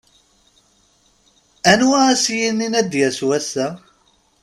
Anwa ad as-yinin a d-yass wass-a.